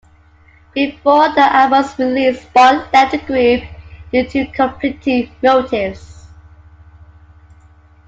Before the album's release, Spawn left the group due to conflicting motives.